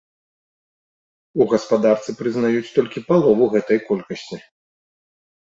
У гаспадарцы прызнаюць толькі палову гэтай колькасці.